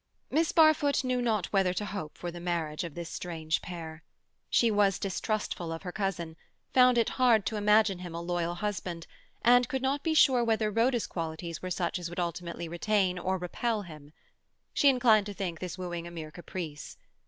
Miss Barfoot knew not whether to hope for the marriage of this strange pair. She was distrustful of her cousin, found it hard to imagine him a loyal husband, and could not be sure whether Rhoda's qualities were such as would ultimately retain or repel him. She inclined to think this wooing a mere caprice.